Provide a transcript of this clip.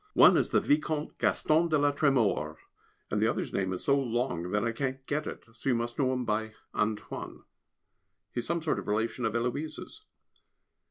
One is the Vicomte Gaston de la Trémors, and the other's name is so long that I can't get it, so you must know him by "Antoine" he is some sort of a relation of Héloise's.